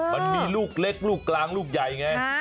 มันมีลูกเล็กลูกกลางลูกใหญ่ไง